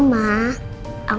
aku gak mau